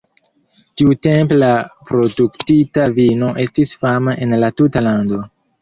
Tiutempe la produktita vino estis fama en la tuta lando.